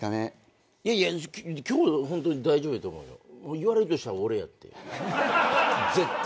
言われるとしたら俺やって絶対。